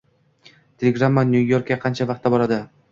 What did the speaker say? Telegramma Nyu-Yorkka qancha vaqtda boradi?